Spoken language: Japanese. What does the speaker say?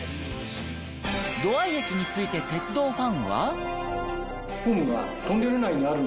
土合駅について鉄道ファンは。